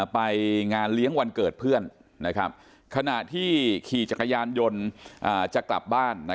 ไปงานเลี้ยงวันเกิดเพื่อนขณะที่ขี่จักรยานยนต์จะกลับบ้าน